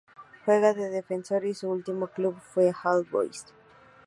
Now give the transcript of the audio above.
Juega de defensor y su último club fue All Boys.